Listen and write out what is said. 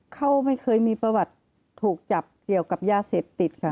เขาไม่เคยมีประวัติถูกจับเกี่ยวกับยาเสพติดค่ะ